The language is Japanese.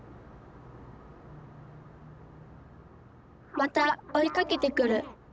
またおいかけてくる。